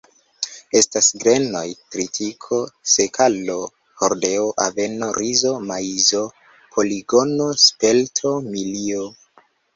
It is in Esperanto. Estas grenoj: tritiko, sekalo, hordeo, aveno, rizo, maizo, poligono, spelto, milio.